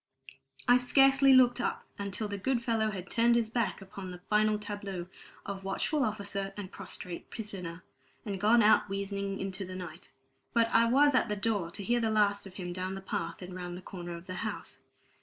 I scarcely looked up until the good fellow had turned his back upon the final tableau of watchful officer and prostrate prisoner and gone out wheezing into the night. But I was at the door to hear the last of him down the path and round the corner of the house.